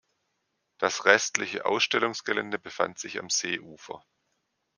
Das restliche Ausstellungsgelände befand sich am Seeufer.